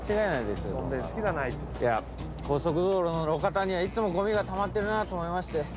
いや高速道路の路肩にはいつもゴミがたまってるなと思いまして。